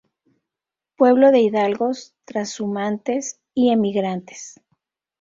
Pueblo de hidalgos, trashumantes y emigrantes.